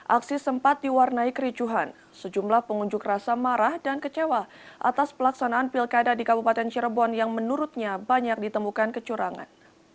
aksi sempat diwarnai kericuhan sejumlah pengunjuk rasa marah dan kecewa atas pelaksanaan pilkada di kabupaten cirebon yang menurutnya banyak ditemukan kecurangan